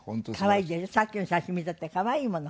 さっきの写真見たって可愛いもの。